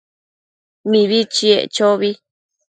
Mibi chiec chobi